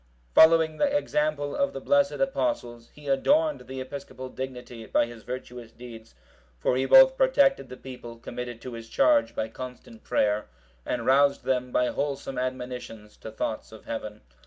(755) Following the example of the blessed Apostles, he adorned the episcopal dignity by his virtuous deeds; for he both protected the people committed to his charge by constant prayer, and roused them, by wholesome admonitions, to thoughts of Heaven.